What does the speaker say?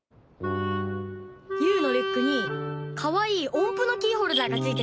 ユウのリュックにかわいいおんぷのキーホルダーがついてたんだよ！